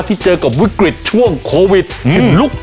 ที่เจอกับวิกฤตช่วงโควิดอืม